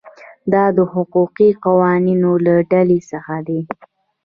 دا د حقوقي قوانینو له ډلې څخه دي.